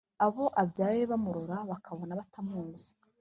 Abo abyaye bamurora bakabona batamuzi